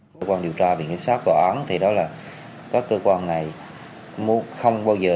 cơ quan điều tra về kiểm soát tòa án thì đó là các cơ quan này không bao giờ